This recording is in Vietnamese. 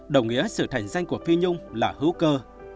đồng nghĩa sự thành danh của phi nhung là hữu cơ